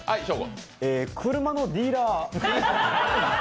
車のディーラー。